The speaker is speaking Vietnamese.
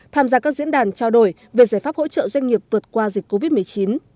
tham gia các diễn đàn trao đổi về giải pháp hỗ trợ doanh nghiệp vượt qua dịch covid một mươi chín